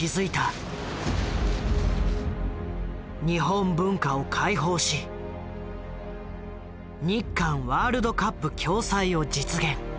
日本文化を開放し日韓ワールドカップ共催を実現。